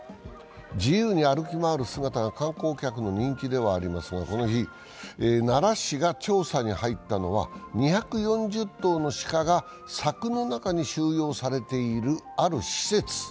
自由に歩き回る姿が観光客の人気ではありますが、この日、奈良市が調査に入ったのは２４０頭の鹿が柵の中に収容されている、ある施設。